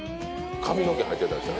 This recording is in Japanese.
髪の毛入ってたりしたら？